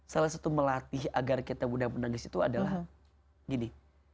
salah satu melatih agar kita mudah menangis itu adalah gini